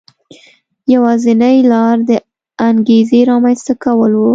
یوازینۍ لار د انګېزې رامنځته کول و.